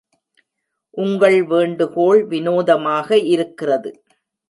உங்கள் வேண்டுகோள் விநோதமாக இருக்கிறது.